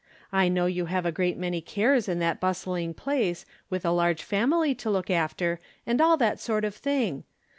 I know you have a great many cares in that bustling place, with a large family to look after, and all that sort of thing